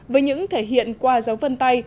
với những thể hiện qua dấu vân tay